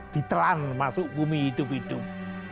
ditelan masuk bumi hidup hidup